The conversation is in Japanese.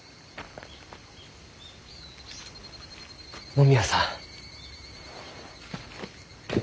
野宮さん。